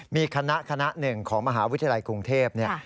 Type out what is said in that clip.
มีคณะคณะหนึ่งของมหาวิทยาลัยกรุงเทพ